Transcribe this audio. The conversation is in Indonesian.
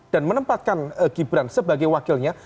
dan menempatkan gibrant sebagai wakilnya